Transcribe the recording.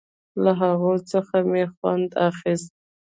له هغو څخه مې خوند اخيست.